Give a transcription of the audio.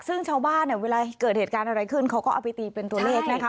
ซึ่งชาวบ้านเนี่ยเวลาเกิดเหตุการณ์อะไรขึ้นเขาก็เอาไปตีเป็นตัวเลขนะคะ